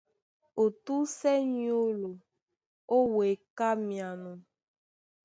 Ó túsɛ nyólo, ó weka myano.